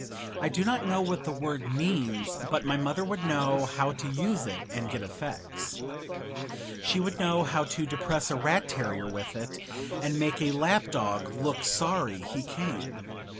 I do not know what the word means, but my mother would know how to use it and get effects. She would know how to depress a rat terrier with it and make a lap dog look sorry he came.